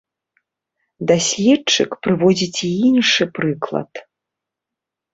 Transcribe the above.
Даследчык прыводзіць і іншы прыклад.